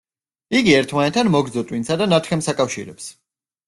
იგი ერთმანეთთან მოგრძო ტვინსა და ნათხემს აკავშირებს.